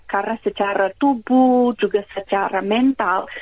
karena secara tubuh juga secara mental